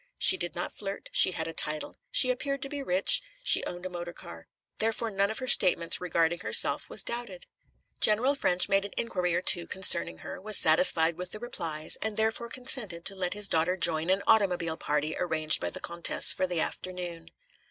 She did not flirt, she had a title, she appeared to be rich, she owned a motor car, therefore none of her statements regarding herself was doubted. General Ffrench made an inquiry or two concerning her, was satisfied with the replies, and therefore consented to let his daughter join an automobile party arranged by the Comtesse for the afternoon.